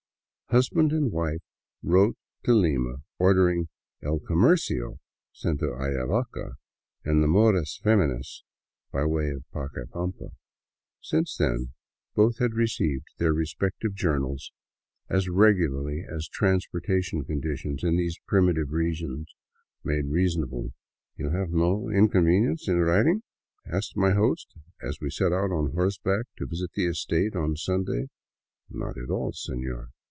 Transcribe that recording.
Husband and wife wrote to Lima ordering " El Comercio'* sent to Ayavaca and the " Modas Femininas" by way of Pacaipampa. Since then both had received 227 VAGABONDING DOWN THE ANDES their respective journals as regularly as transportation conditions in these primitive regions made reasonable. " You have no inconvenience in riding ?" asked my host, as we set out on horseback to visit the estate on Sunday. " Not at all, senor."